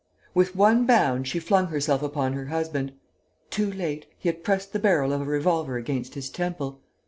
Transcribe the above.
With one bound, she flung herself upon her husband. Too late! He had pressed the barrel of a revolver against his temple.